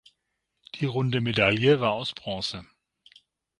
Die runde Medaille war aus Bronze.